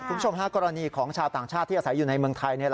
คุณผู้ชมฮะกรณีของชาวต่างชาติที่อาศัยอยู่ในเมืองไทย